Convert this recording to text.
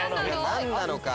何なのか。